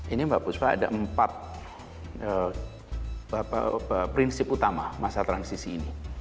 ini mbak puspa ada empat prinsip utama masa transisi ini